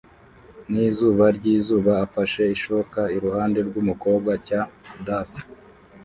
nizuba ryizuba afashe ishoka iruhande rwumukobwa cya daffy